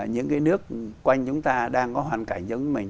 những cái nước quanh chúng ta đang có hoàn cảnh giống như mình